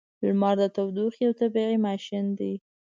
• لمر د تودوخې یو طبیعی ماشین دی.